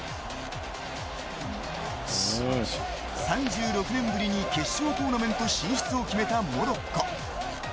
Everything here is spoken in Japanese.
３６年ぶりに決勝トーナメント進出を決めたモロッコ。